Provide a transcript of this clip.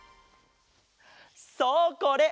そうこれ！